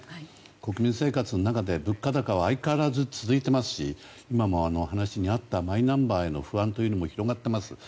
国民生活の中で物価高は相変わらず続いていますし今も話にあったマイナンバーへの不安も広がっています。